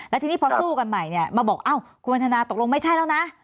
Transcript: แล้วทีนี้พอสู้กันใหม่เนี่ยมาบอกอ้าวคุณวันทนาตกลงไม่ใช่แล้วนะ